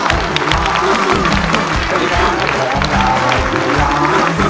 ร้องได้ให้ร้าน